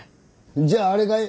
じゃああれかい？